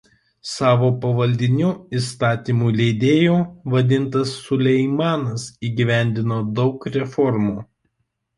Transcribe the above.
Savo pavaldinių "Įstatymų leidėju" vadintas Suleimanas įgyvendino daug reformų.